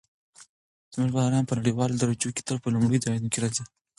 زموږ بالران په نړیوالو درجو کې تل په لومړیو ځایونو کې راځي.